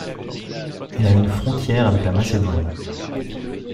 Il a une frontière avec la Macédoine.